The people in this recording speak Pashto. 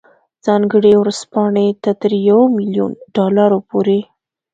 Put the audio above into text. ځانګړې ورځپاڼې ته تر یو میلیون ډالرو پورې.